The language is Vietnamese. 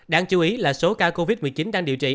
đáng chú ý là số ca covid một mươi chín đang điều trị